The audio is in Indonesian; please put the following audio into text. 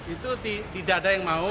itu tidak ada yang mau